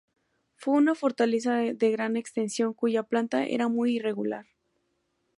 Fue una fortaleza de gran extensión cuya planta era muy irregular.